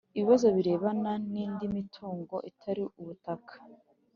Ibibazo Birebana N Indi Mitungo Itari Ubutaka